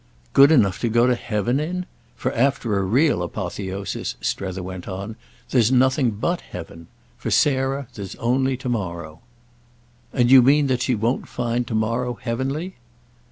"Good enough to go to heaven in? For after a real apotheosis," Strether went on, "there's nothing but heaven. For Sarah there's only to morrow." "And you mean that she won't find to morrow heavenly?"